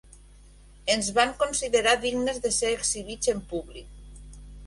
Ens van considerar dignes de ser exhibits en públic